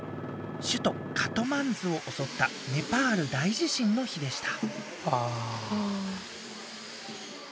首都カトマンズを襲ったネパール大地震の日でした。